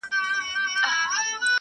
چي ما دي په تیاره کي تصویرونه وي پېیلي٫